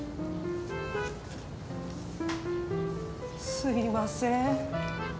すみません。